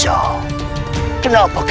sangat beruntung mahesha